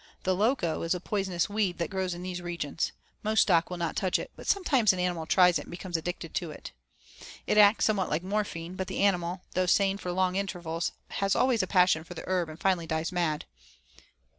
The loco is a poisonous weed that grows in these regions. Most stock will not touch it; but sometimes an animal tries it and becomes addicted to it. It acts somewhat like morphine, but the animal, though sane for long intervals, has always a passion for the herb and finally dies mad.